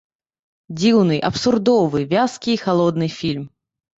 Дзіўны, абсурдовы, вязкі і халодны фільм.